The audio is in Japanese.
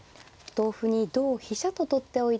同歩に同飛車と取っておいて。